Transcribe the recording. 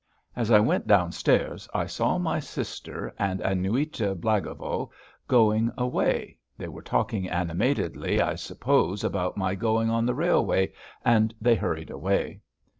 As I went down stairs I saw my sister and Aniuta Blagovo going away; they were talking animatedly, I suppose about my going on the railway, and they hurried away.